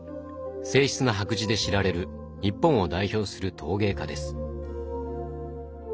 静ひつな白磁で知られる日本を代表する陶芸家です。